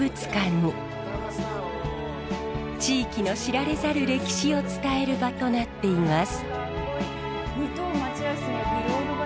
地域の知られざる歴史を伝える場となっています。